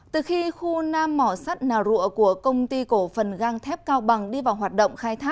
từ khi khu nam mỏ sắt nào rụa của công ty cổ phần gang thép cao bằng đi vào hoạt động khai thác